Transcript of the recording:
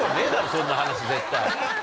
そんな話絶対。